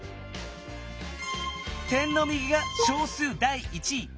点の右が小数第一位。